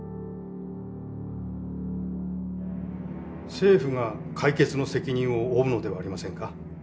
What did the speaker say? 政府が解決の責任を負うのではありませんか。